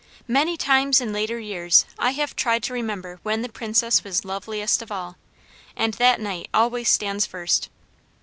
Many times in later years I have tried to remember when the Princess was loveliest of all, and that night always stands first.